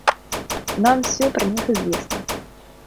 Нам всё про них известно.